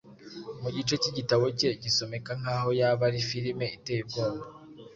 Mu gice cy'igitabo cye gisomeka nkaho yaba ari filime iteye ubwoba